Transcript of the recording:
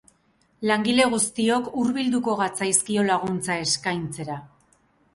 Langile guztiok hurbilduko gatzaizkio laguntza eskaintzera.